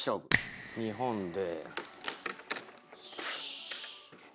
日本で。